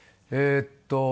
えっと